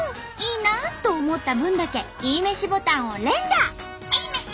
いいな！と思った分だけいいめしボタンを連打！